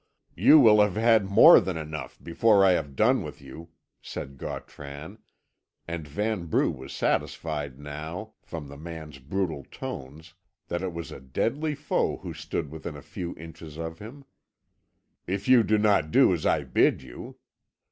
"You will have had more than enough before I have done with you," said Gautran, and Vanbrugh was satisfied now, from the man's brutal tones, that it was a deadly foe who stood within a few inches of him, "if you do not do as I bid you.